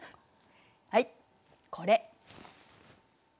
はいこれ。